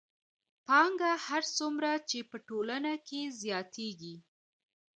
پانګه هر څومره چې په ټولنه کې زیاتېږي